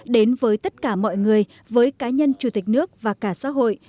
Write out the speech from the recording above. đến với tất cả mọi người với cá nhân chủ tịch nước và cả xã hội